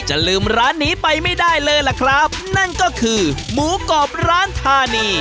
ลืมร้านนี้ไปไม่ได้เลยล่ะครับนั่นก็คือหมูกรอบร้านธานี